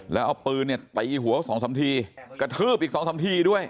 แล้วเอาปืนเนี่ยตีหัวสองสามทีกระทืบอีก๒๓ทีด้วย